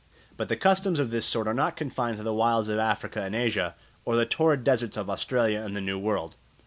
But customs of this sort are not confined to the wilds of Africa and Asia or the torrid deserts of Australia and the New World.